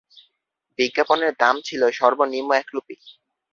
বিজ্ঞাপনের দাম ছিল সর্ব নিম্ন এক রুপি।